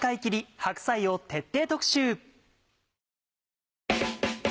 白菜を徹底特集。